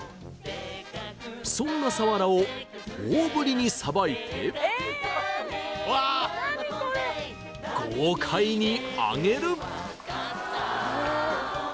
そんなサワラを大ぶりにさばいて豪快に揚げる！